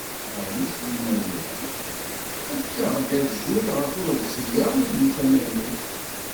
Aɣmis n Yimaziɣen: "Efk-aɣ-d agzul ɣef uḍebsi-a-inek amaynut.